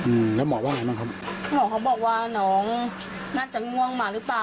อืมแล้วหมอว่าไงบ้างครับหมอเขาบอกว่าน้องน่าจะง่วงมาหรือเปล่า